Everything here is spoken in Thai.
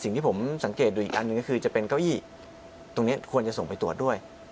สิ่งที่ผมสังเกตดูอีกอันหนึ่งก็คือจะเป็นเก้าอี้ตรงนี้ควรจะส่งไปตรวจด้วย